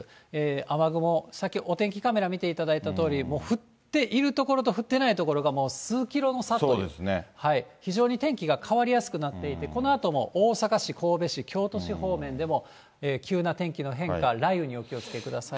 雨雲、さっきお天気カメラ見ていただいたとおり、降っている所と降っていない所がもう数キロの差と、非常に天気が変わりやすくなっていて、このあとも大阪市、神戸市、京都市方面でも急な天気の変化、雷雨にお気をつけください。